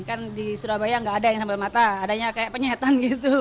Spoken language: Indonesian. kan di surabaya nggak ada yang sambal mata adanya kayak penyehatan gitu